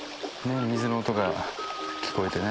水の音が聞こえてね。